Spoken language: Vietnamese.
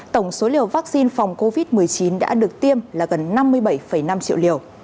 tổng số liều vaccine phòng covid một mươi chín đã được tiêm là gần năm mươi bảy năm triệu liều